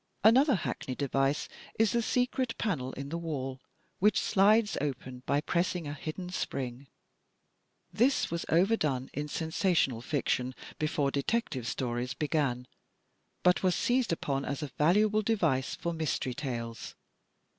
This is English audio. Another hackneyed device is the secret panel in the wall, which slides open by pressing a hidden spring. This was overdone in sensational fiction, before Detective Stories began, but was seized upon as a valuable device for Mystery tales.